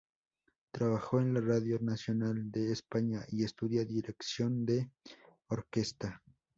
Trabajó en la Radio Nacional de España, y estudió dirección de orquesta.